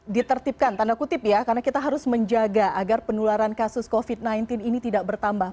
ditertibkan tanda kutip ya karena kita harus menjaga agar penularan kasus covid sembilan belas ini tidak bertambah